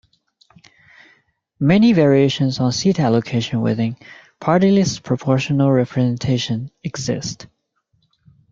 Many variations on seat allocation within party-list proportional representation exist.